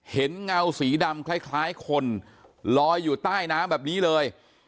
เงาสีดำคล้ายคนลอยอยู่ใต้น้ำแบบนี้เลย